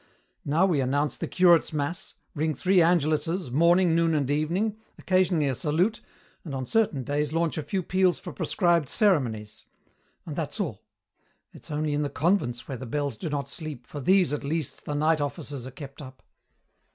Now we announce the curate's mass, ring three angeluses, morning, noon, and evening, occasionally a Salute, and on certain days launch a few peals for prescribed ceremonies. And that's all. It's only in the convents where the bells do not sleep, for these, at least, the night offices are kept up."